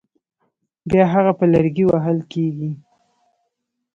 بیا هغه په لرګي وهل کېږي.